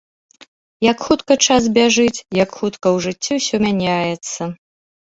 Як хутка час бяжыць, як хутка ў жыцці ўсё мяняецца!